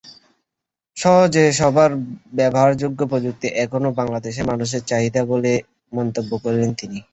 সহজে সবার ব্যবহারযোগ্য প্রযুক্তি এখন বাংলাদেশের মানুষের চাহিদা বলেও মন্তব্য করেন তিনি।